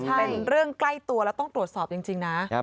เป็นเรื่องใกล้ตัวแล้วต้องตรวจสอบจริงนะ